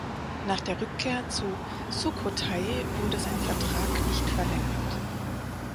Nach der Rückkehr zu Sukhothai wurde sein Vertrag nicht verlängert.